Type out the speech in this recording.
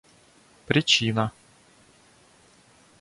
причина